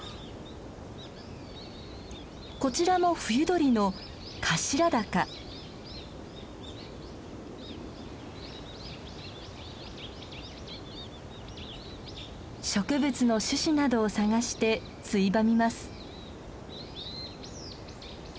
こちらも冬鳥の植物の種子などを探してついばみます。